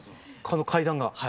この階段が。